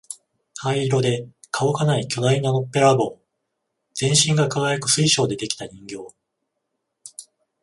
灰色で顔がない巨大なのっぺらぼう、全身が輝く水晶で出来た人形、